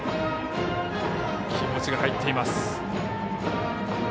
気持ちが入っています。